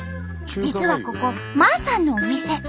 実はここマーさんのお店。